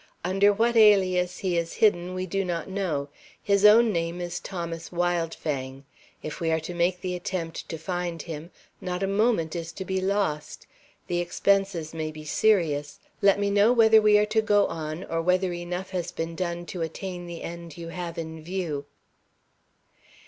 Under what alias he is hidden we do not know. His own name is Thomas Wildfang. If we are to make the attempt to find him, not a moment is to be lost. The expenses may be serious. Let me know whether we are to go on, or whether enough has been done to attain the end you have in view."